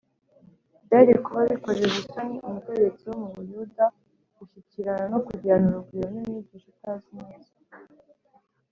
. Byari kuba bikojeje isoni umutegetsi wo mu Bayuda gushyikirana no kugirana urugwiro n’umwigisha utazwi neza.